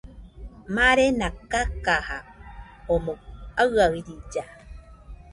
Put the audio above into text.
Marena kakaja omoɨ aiaɨrilla.